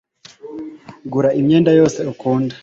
gura imyenda yose ukunda